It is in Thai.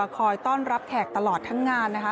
คอยต้อนรับแขกตลอดทั้งงานนะคะ